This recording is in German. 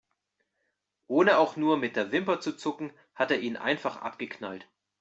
Ohne auch nur mit der Wimper zu zucken, hat er ihn einfach abgeknallt.